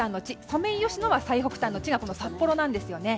ソメイヨシノは最北端が札幌なんですよね。